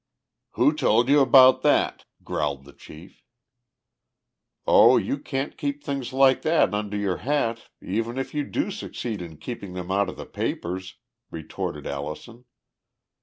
"Who told you about that?" growled the chief. "Oh, you can't keep things like that under your hat even if you do succeed in keeping them out of the papers," retorted Allison.